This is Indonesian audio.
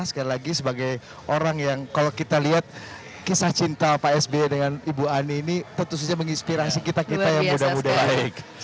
sekali lagi sebagai orang yang kalau kita lihat kisah cinta pak sby dengan ibu ani ini tentu saja menginspirasi kita kita yang muda muda baik